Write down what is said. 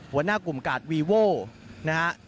หัวหน้ากลุ่มกาดวีโว่นะฮะ